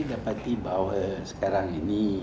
dapati bahwa sekarang ini